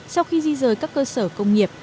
sau khi di rời các cơ sở công nghiệp